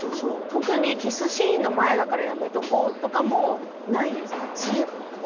特にキスシーンの前だからやめとこうとかもないですか？